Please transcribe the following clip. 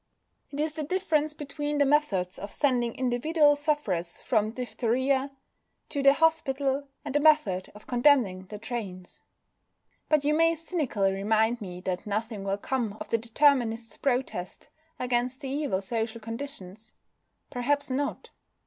It is the difference between the methods of sending individual sufferers from diphtheria to the hospital and the method of condemning the drains. But you may cynically remind me that nothing will come of the Determinists' protest against the evil social conditions. Perhaps not.